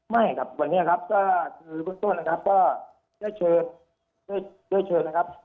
ไม่ครับวันนี้ครับคุณต้นนะครับก็ได้เชิญ